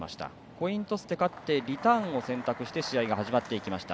コイントスに勝ってリターンを選択して試合が始まっていきました。